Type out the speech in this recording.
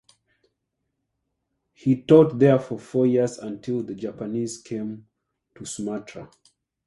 He taught there for four years until the Japanese came to Sumatra.